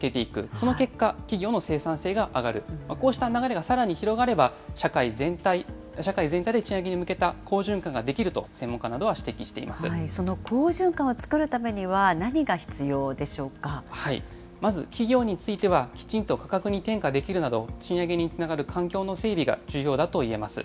その結果、企業の生産性が上がる、こうした流れがさらに広がれば、社会全体で賃上げに向けた好循環ができると専門家などは指摘してその好循環を作るためには、まず、企業についてはきちんと価格に転嫁できるなど、賃上げにつながる環境の整備が重要だといえます。